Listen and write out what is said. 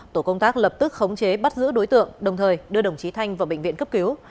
tổ công tác lập tức khống chế bắt giữ đối tượng đồng thời đưa đồng chí thanh vào bệnh viện cấp cứu